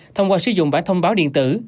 thông qua sử dụng bản thông báo điện tử